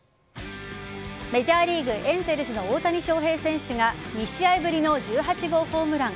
メジャーリーグエンゼルスの大谷翔平選手が２試合ぶりの１８号ホームラン。